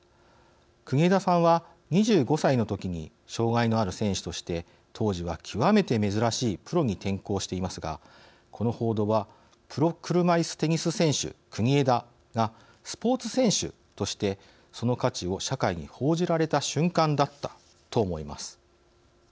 国枝さんは２５歳の時に障害のある選手として当時は極めて珍しいプロに転向していますがこの報道はプロ車いすテニス選手、国枝がスポーツ選手としてその価値を社会に報じられた瞬間だったと思います。